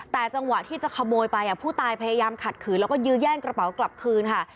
แต่จังหวะที่จะขโมยไปผู้ตายพยายามขัดขืนแล้วก็ยื้อแย่งกระเป๋ากลับคืนค่ะ